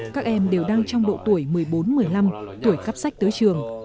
các em đều đang trong độ tuổi một mươi bốn một mươi năm tuổi cắp sách tới trường